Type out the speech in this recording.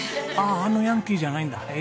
あああのヤンキーじゃないんだ。